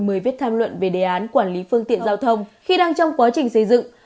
mời viết tham luận về đề án quản lý phương tiện giao thông khi đang trong quá trình xây dựng